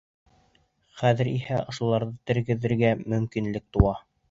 Хәҙер иһә ошоларҙы тергеҙергә мөмкинлек тыуа.